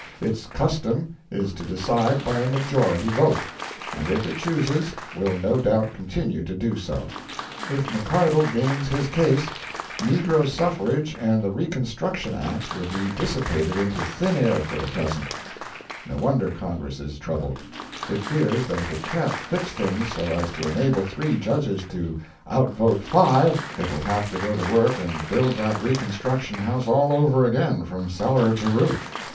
Its custom is to decide by a majority vote, and if it chooses, will no doubt continue to do so. If McCardle gains his case, negro suffrage and the Reconstruction Acts will be dissipated into thin air for the present. No wonder Congress is troubled. It fears that if it can't fix things so as to enable three Judges to out vote five, it will have to go to work and build that Reconstruction House all over again, from cellar to roof.